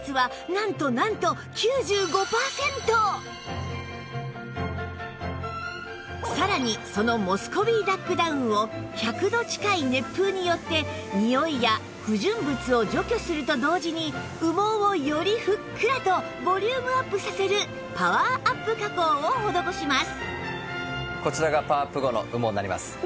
そのさらにそのモスコビーダックダウンを１００度近い熱風によってにおいや不純物を除去すると同時に羽毛をよりふっくらとボリュームアップさせるパワーアップ加工を施します